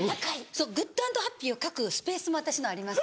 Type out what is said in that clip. グッド＆ハッピーを書くスペースも私のあります。